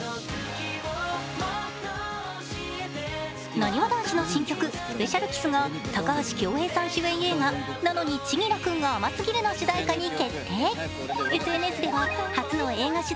なにわ男子の新曲「ＳｐｅｃｉａｌＫｉｓｓ」が高橋恭平さん主演映画、「なのに、千輝くんが甘すぎる」の主題歌に決定。